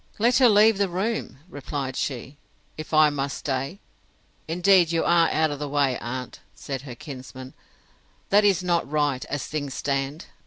Let her leave the room, replied she, if I must stay. Indeed you are out of the way, aunt, said her kinsman; that is not right, as things stand.